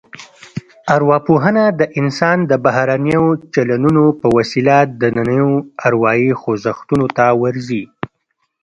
ارواپوهنه د انسان د بهرنیو چلنونو په وسیله دنننیو اروايي خوځښتونو ته ورځي